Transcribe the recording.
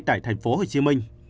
tại thành phố hồ chí minh